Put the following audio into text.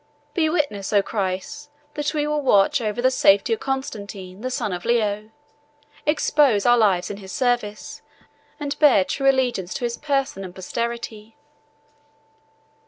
"Be witness, O Christ! that we will watch over the safety of Constantine the son of Leo, expose our lives in his service, and bear true allegiance to his person and posterity."